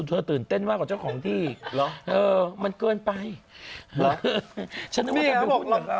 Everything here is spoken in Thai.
เธอตื่นเต้นมากกว่าเจ้าของที่อีกมันเกินไปฉันนึกว่าเธอเป็นหุ้นหรือเปล่า